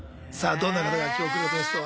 どんな方が今日来るゲストは。